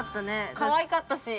◆かわいかったし。